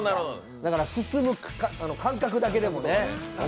だから進む感覚だけでもね。